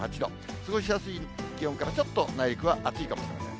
過ごしやすい気温からちょっと内陸は暑いかもしれません。